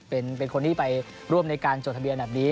เป็นคนที่ไปร่วมในการจดทะเบียนแบบนี้